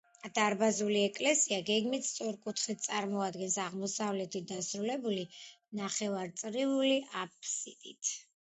დარბაზული ეკლესია გეგმით სწორკუთხედს წარმოადგენს, აღმოსავლეთით დასრულებული ნახევარწრიული აბსიდით.